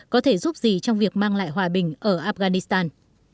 có thể giúp gì trong việc mang lại hòa bình ở afghanistan